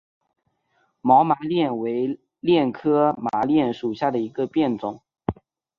毛麻楝为楝科麻楝属下的一个变种。